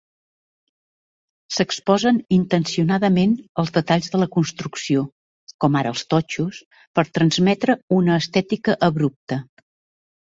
S'exposen intencionadament els detalls de la construcció, com ara els totxos, per transmetre una estètica abrupta.